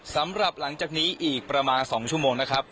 หลังจากนี้อีกประมาณ๒ชั่วโมงนะครับ